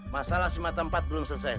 masalah si matempat belum selesai